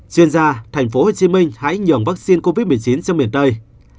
chuyên gia tp hcm hãy nhường vaccine covid một mươi chín sang miền tây